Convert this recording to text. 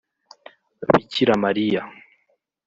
Bikira Mariya